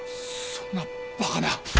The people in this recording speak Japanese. そんなバカな。